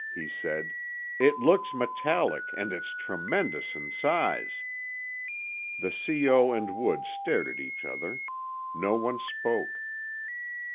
he said. "It looks metallic—and it's tremendous in size!" The C.O. and Woods stared at each other. No one spoke.